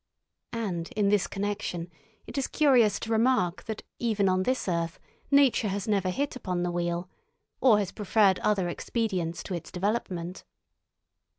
And in this connection it is curious to remark that even on this earth Nature has never hit upon the wheel, or has preferred other expedients to its development.